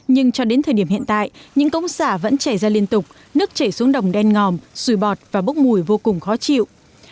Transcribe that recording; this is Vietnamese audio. nhưng cho đến thời điểm hiện tại những cống xả vẫn chảy ra liên tục nước chảy xuống đồng đen ngòm sùi bọt và bốc mùi vô cùng khó chịu